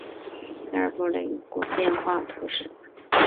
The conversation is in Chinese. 达尔布雷人口变化图示